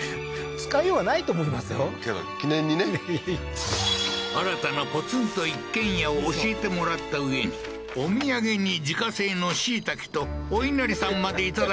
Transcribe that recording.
使いようはないと思いますよけど記念にね新たなポツンと一軒家を教えてもらったうえにお土産に自家製の椎茸とおいなりさんまでいただき